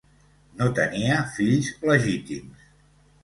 No tenia fills legítims.